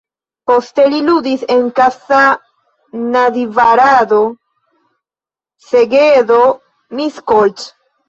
Poste li ludis en Kassa, Nadjvarado, Segedo, Miskolc.